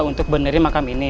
untuk benerin makam ini